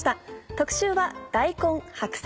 特集は「大根・白菜」。